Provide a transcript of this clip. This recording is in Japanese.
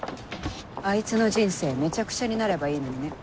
あいつの人生めちゃくちゃになればいいのにね。